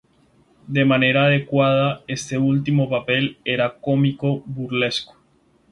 De manera adecuada, este último papel era cómico burlesco.